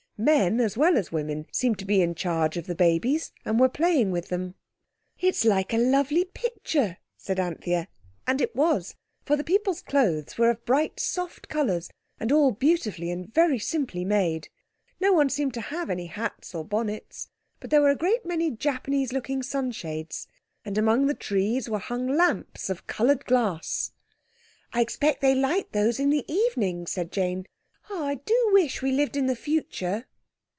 Men, as well as women, seemed to be in charge of the babies and were playing with them. "It's like a lovely picture," said Anthea, and it was. For the people's clothes were of bright, soft colours and all beautifully and very simply made. No one seemed to have any hats or bonnets, but there were a great many Japanese looking sunshades. And among the trees were hung lamps of coloured glass. "I expect they light those in the evening," said Jane. "I do wish we lived in the future!"